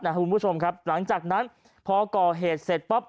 คุณผู้ชมครับหลังจากนั้นพอก่อเหตุเสร็จปั๊บ